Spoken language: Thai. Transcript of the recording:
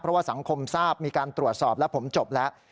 เพราะว่าสังคมทราบมีการตรวจสอบแล้วผมจบแล้ว